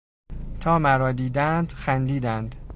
تا مرا دیدند خندیدند.